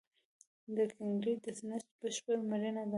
د ګینګرین د نسج بشپړ مړینه ده.